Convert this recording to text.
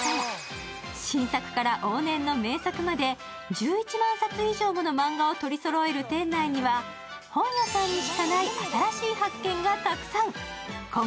新作から往年の名作まで１１万冊以上のマンガを取りそろえる店内には本屋さんにしかない新しい発見がたくさん。